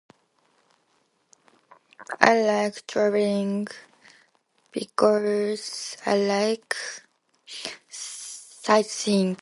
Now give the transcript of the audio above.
I like traveling because I like sightseeing.